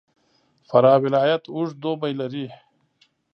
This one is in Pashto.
فراه ولایت اوږد دوبی لري.